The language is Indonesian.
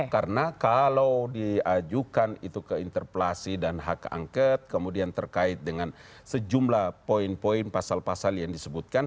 karena kalau diajukan itu keinterpelasi dan hak angket kemudian terkait dengan sejumlah poin poin pasal pasal yang disebutkan